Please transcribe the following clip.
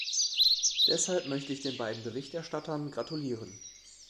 Deshalb möchte ich den beiden Berichterstattern gratulieren.